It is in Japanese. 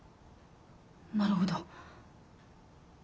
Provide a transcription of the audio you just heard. なるほど。